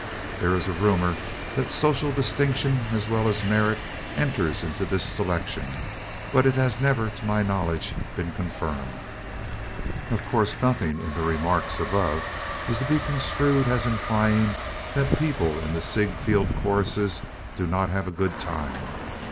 There is a rumor that social distinction as well as merit enters into this selection, but it has never, to my knowledge, been confirmed. Of course, nothing in the remarks above is to be construed as implying that people in the Ziegfeld choruses do not have a good time.